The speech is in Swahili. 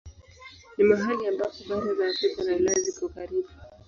Ni mahali ambako bara za Afrika na Ulaya ziko karibu.